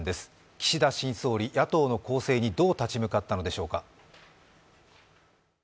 岸田新総理、野党の攻勢にどう立ち向かったのでしょうか。